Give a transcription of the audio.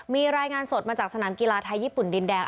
มีรายงานสดมาจากสนามกีฬาไทยญี่ปุ่นดินแดง